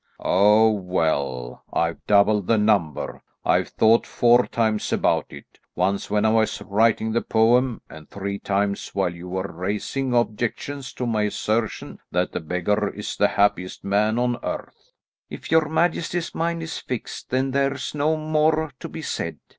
"Oh, well, I've doubled the number; I've thought four times about it; once when I was writing the poem, and three times while you were raising objections to my assertion that the beggar is the happiest man on earth." "If your majesty's mind is fixed, then there's no more to be said.